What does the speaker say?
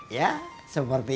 ya seperti itu